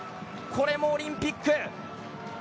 これもオリンピック。